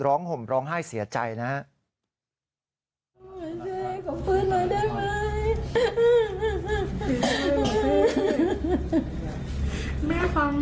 ร้องห่มร้องไห้เสียใจนะฮะ